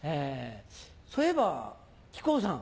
そういえば木久扇さん。